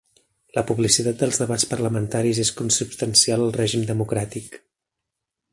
La publicitat dels debats parlamentaris és consubstancial al règim democràtic.